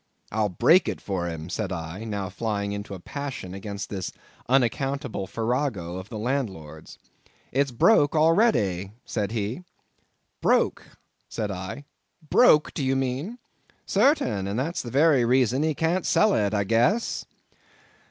"I'll break it for him," said I, now flying into a passion again at this unaccountable farrago of the landlord's. "It's broke a'ready," said he. "Broke," said I—"broke, do you mean?" "Sartain, and that's the very reason he can't sell it, I guess."